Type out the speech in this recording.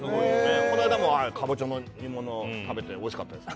この間もかぼちゃの煮物食べておいしかったです